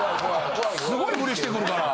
すごいフリしてくるから。